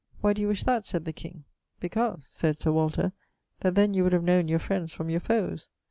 'Why doe you wish that?' sayd the king. 'Because,' said Sir Walter, 'that then you would have knowne your friends from your foes.'